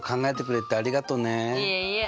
いえいえ。